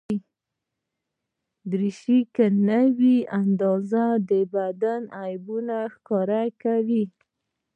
دریشي که نه وي اندازه، د بدن عیبونه ښکاره کوي.